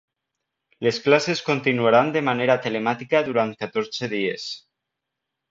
Les classes continuaran de manera telemàtica durant catorze dies.